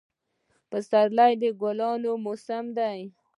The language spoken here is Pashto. پسرلی د ګلانو موسم دی